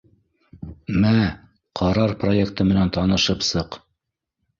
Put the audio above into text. — Мә, ҡарар проекты менән танышып сыҡ